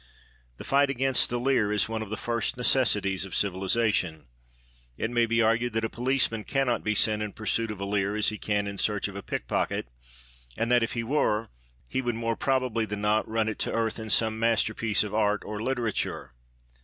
The fight against the leer is one of the first necessities of civilisation. It may be argued that a policeman cannot be sent in pursuit of a leer as he can in search of a pickpocket, and that, if he were, he would more probably than not run it to earth in some masterpiece of art or literature.